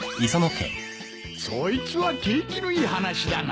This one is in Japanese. そいつは景気のいい話だな。